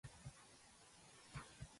განვითარებულია კონტინენტური კლიმატი.